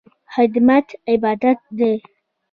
خدمت عبادت دی